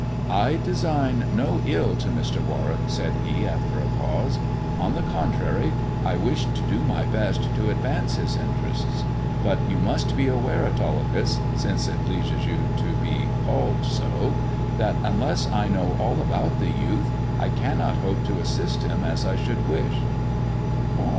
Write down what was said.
I design no ill to Mr. Warwick," said he, after a pause. " On the contrary, I wish to do my best to advance his interests. But you must be aware, Autolycus — since it pleases you to be called so — that unless I know all about the youth I cannot hope to assist him as I should wish."